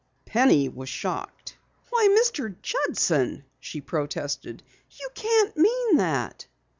Penny was shocked. "Why, Mr. Judson!" she protested. "You can't mean that!"